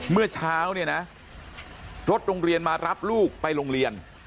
เมื่อเช้าเนี่ยนะรถโรงเรียนมารับลูกไปโรงเรียน